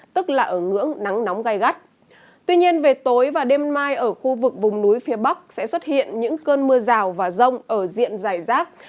tuy nhiên về tối và đêm mai ở khu vực vùng núi phía bắc sẽ xuất hiện những cơn mưa rào và rông ở diện dài rác